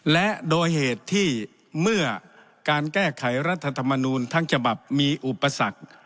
และโดยเหตุที่เมื่อการแก้ไขรัฐธรรมนูลทั้งฉบับมีอุปสรรค